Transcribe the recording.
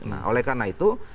nah oleh karena itu